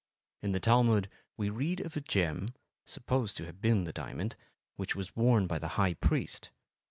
In the Talmud we read of a gem, supposed to have been the diamond, which was worn by the high priest.